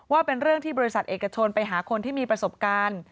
เป็นเรื่องที่บริษัทเอกชนไปหาคนที่มีประสบการณ์